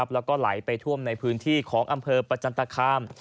แล้วก็ไหลไปท่วมในพื้นที่ของอำเภอประจันตคาม